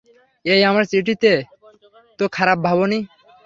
এই আমার চিঠিকে তো খারাপ ভাবোনি।